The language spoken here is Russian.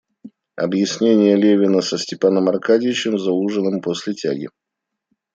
Объяснение Левина со Степаном Аркадьичем за ужином после тяги.